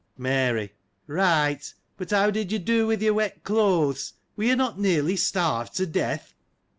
Mary. — Eight : but how did you do with your wet clothes ? were you not nearly starved to death